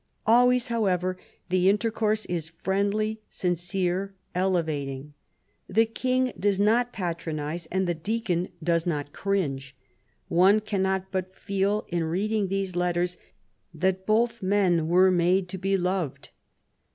Always, however, the intercourse is friendly, sincere, elevating. The king does not patronize, and the deacon does not cringe. One cannot but feel in reading these letters that both men were made to be loved.